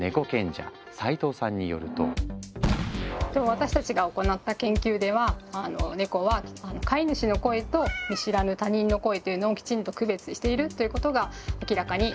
私たちが行った研究ではネコは飼い主の声と見知らぬ他人の声というのをきちんと区別しているということが明らかになりました。